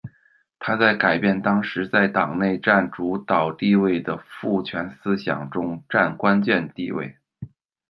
她在改变当时在党内占主导地位的父权思想中占关键地位。